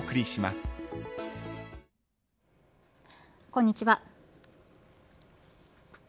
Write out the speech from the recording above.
こんにちは。